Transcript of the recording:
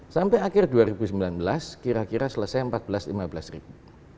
sampai akhir dua ribu sembilan belas kira kira selesai empat belas lima belas ribu